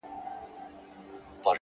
عاجزي د احترام دروازې پرانیستې ساتي.!